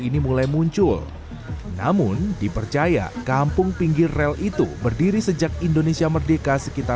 ini mulai muncul namun dipercaya kampung pinggir rel itu berdiri sejak indonesia merdeka sekitar seribu sembilan ratus empat puluh lima